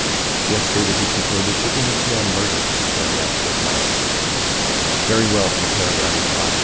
"Yes, David," he concluded, "it would entail murder to carry out your plan." "Very well then, Perry." I replied.